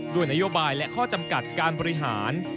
ด้วยนโยบายและข้อจำกัดการบริหาร